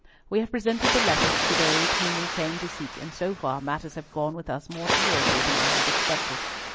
We have presented the letters to those whom we came to seek, and so far matters have gone with us more towardly than I had expected.